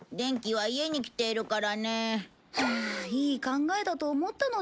はあいい考えだと思ったのにな。